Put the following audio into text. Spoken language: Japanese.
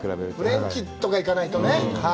フレンチとか行かないとね。